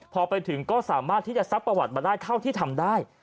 พอไปถึงก็สามารถที่จะซับประวัติมาได้เท่าที่ทำได้